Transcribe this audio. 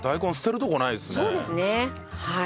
そうですねはい。